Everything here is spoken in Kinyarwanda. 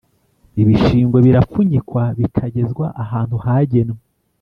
Ibishingwe birapfunyikwa bikagezwa ahantu hagenwe